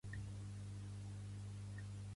Floreix tot l'any excepte en hiverns severs.